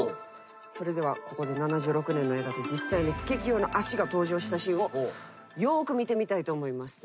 それではここで７６年の映画で実際にスケキヨの足が登場したシーンをよく見てみたいと思います。